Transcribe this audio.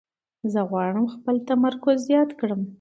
زه غواړم خپل تمرکز زیات کړم.